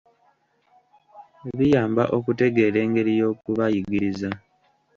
Biyamba okutegeera engeri y'okubayigiriza.